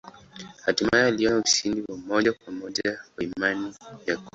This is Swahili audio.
Hatimaye aliona ushindi wa moja kwa moja wa imani ya kweli.